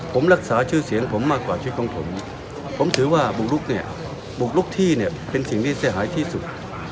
ผมรักษาชื่อเสียงผมมากกว่าชีวิตของผมผมถือว่าบุกลุกเนี่ยบุกลุกที่เนี่ยเป็นสิ่งที่เสียหายที่สุด